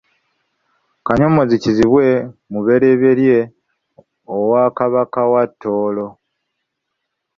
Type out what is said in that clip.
Kanyomozi kizibwe muberyeberye owa Kabaka wa Tooro.